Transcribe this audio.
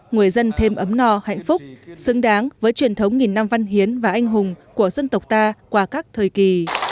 người dân thêm ấm no hạnh phúc xứng đáng với truyền thống nghìn năm văn hiến và anh hùng của dân tộc ta qua các thời kỳ